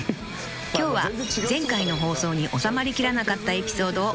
［今日は前回の放送に収まりきらなかったエピソードをお届けします］